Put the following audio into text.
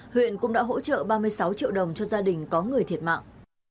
huyện cũng đã hỗ trợ ba mươi sáu triệu đồng cho gia đình có người thiệt mạng